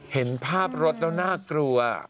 เห็นภาพรถแล้วน่ากลัว